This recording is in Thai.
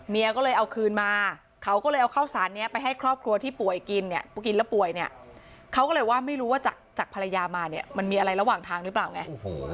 ก็เลยเอาคืนมาเขาก็เลยเอาข้าวสารนี้ไปให้ครอบครัวที่ป่วยกินเนี่ยพอกินแล้วป่วยเนี่ยเขาก็เลยว่าไม่รู้ว่าจากภรรยามาเนี่ยมันมีอะไรระหว่างทางหรือเปล่าไง